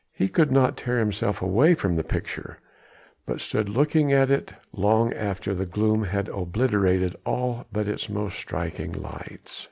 He could not tear himself away from the picture, but stood looking at it long after the gloom had obliterated all but its most striking lights.